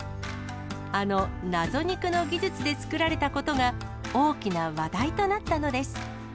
あの謎肉の技術で作られたことが、大きな話題となったのです。